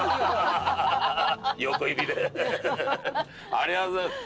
ありがとうございます。